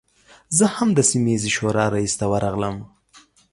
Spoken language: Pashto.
زه هم د سیمه ییزې شورا رئیس ته ورغلم.